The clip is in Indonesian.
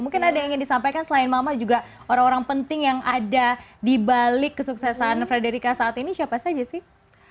mungkin ada yang ingin disampaikan selain mama juga orang orang penting yang ada di balik kesuksesan frederica saat ini siapa saja sih